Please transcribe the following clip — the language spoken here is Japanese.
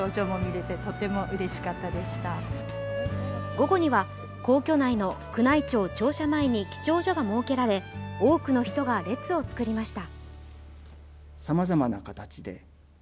午後には、皇居内の宮内庁・庁舎前に記帳所が設けられ、多くの人が列を作りました。